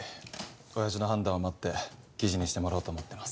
おやじの判断を待って記事にしてもらおうと思ってます。